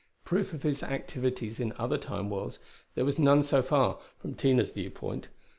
Proof of his activities in other Time worlds, there was none so far, from Tina's viewpoint.